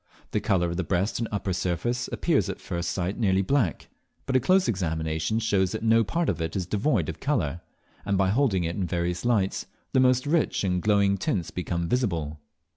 The colour of the breast and upper surface appears at first sight nearly black, but a close examination shows that no part of it is devoid of colour; and by holding it in various lights, the most rich and glowing tints become visible.